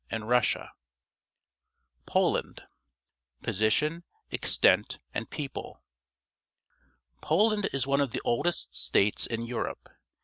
POLAND /.— ^rV^ ^ Position, Extent, and People. — Poland is one of the oldest states in Europe.